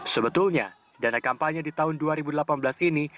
sebetulnya dana kampanye di tahun dua ribu delapan belas ini